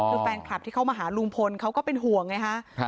คือแฟนคลับที่เข้ามาหาลุงพลเขาก็เป็นห่วงไงฮะ